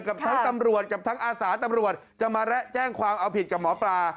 กับทั้งตำรวจกับทั้งอาสาตำรวจจะมาและแจ้งความเอาผิดกับหมอปลา